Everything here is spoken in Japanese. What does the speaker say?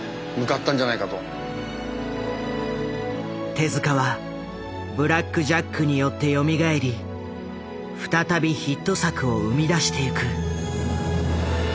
手は「ブラック・ジャック」によってよみがえり再びヒット作を生み出していく。